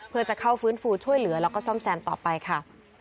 เพื่อจะเข้าฟื้นฟูช่วยเหลือแล้วก็ซ่อมแซมต่อไปค่ะ